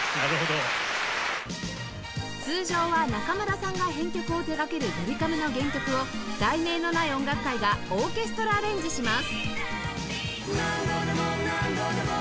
通常は中村さんが編曲を手掛けるドリカムの原曲を『題名のない音楽会』がオーケストラアレンジします